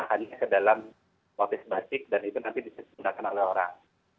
nah hanya ke dalam wabik wabik dan itu nanti disesuaikan oleh orang